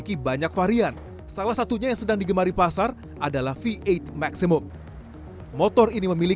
kita paham bahwa curanmor itu kan tinggi sekali